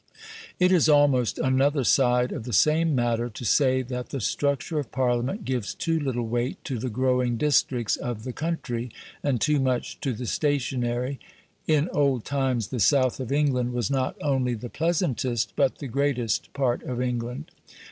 It is almost another side of the same matter to say that the structure of Parliament gives too little weight to the growing districts of the country and too much to the stationary, In old times the south of England was not only the pleasantest but the greatest part of England.